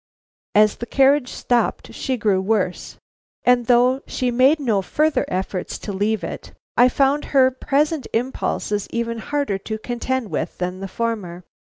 As the carriage stopped she grew worse, and though she made no further efforts to leave it, I found her present impulses even harder to contend with than the former.